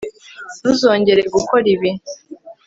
ntuzongere gukora ibi